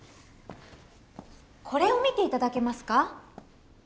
これを見て頂けますか？